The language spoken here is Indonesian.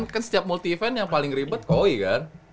kan setiap multi event yang paling ribet koi kan